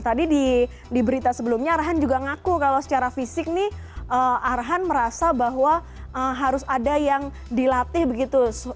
tadi di berita sebelumnya arhan juga ngaku kalau secara fisik nih arhan merasa bahwa harus ada yang dilatih begitu